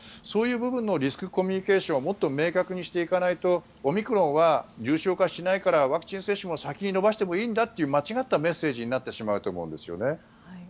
そういう部分のリスクコミュニケーションをもっと明確にしていかないとオミクロンは重症化しないからワクチン接種も先に延ばしてもいいんだという間違ったメッセージになってしまうと思うんですよね。